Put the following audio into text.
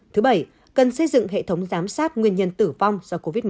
thứ bảy cần xây dựng hệ thống giám sát nguyên nhân tử vong do covid một mươi chín